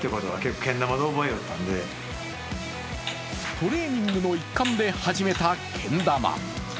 トレーニングの一環で始めたけん玉。